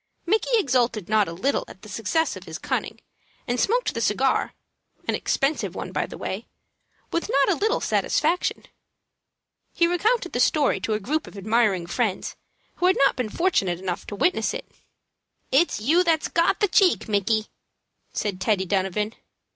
Micky exulted not a little at the success of his cunning, and smoked the cigar an expensive one, by the way with not a little satisfaction. He recounted the story to a group of admiring friends who had not been fortunate enough to witness it. "It's you that's got the cheek, Micky," said Teddy Donovan.